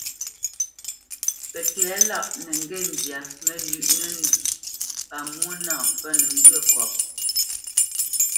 Pətɛ̌lâʼ nə ŋgê zyā məlywəʼnə pa mwô nâ pə́nə ŋgyə̌ kɔ̌p.